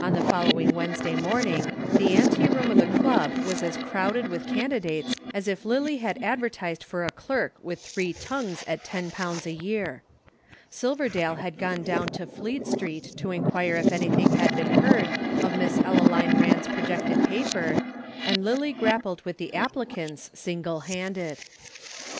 On the following Wednesday morning the ante room of the Club was as crowded with candidates as if Lillie had advertised for a clerk with three tongues at ten pounds a year. Silverdale had gone down to Fleet Street to inquire if anything had been heard of Miss Ellaline Rand's projected paper, and Lillie grappled with the applicants single handed.